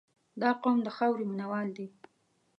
• دا قوم د خاورې مینه وال دي.